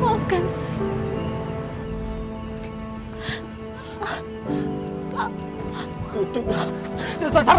aku yang salah